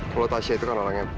kalau tasya itu kan orangnya